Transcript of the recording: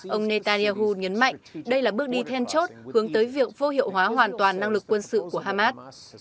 ông netanyahu nhấn mạnh đây là bước đi then chốt hướng tới việc vô hiệu hóa hoàn toàn năng lực quân sự của hamas